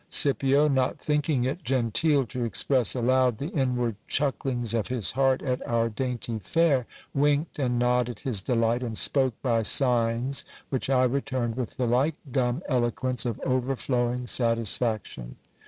Scipio, not thinking it genteel to express aloud the inward chucklings of his heart at our dainty fare, winked and nodded his delight, and spoke by signs, which I returned with the like dumb eloquence of overflowing satisfaction.